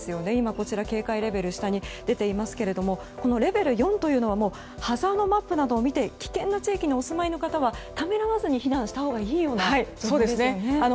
こちら警戒レベル下に出ていますがレベル４というのはハザードマップなどを見て危険な地域にお住まいの方はためらわずに避難したほうがいいですよね。